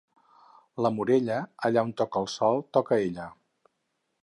La Morella, allà on toca el sol toca ella.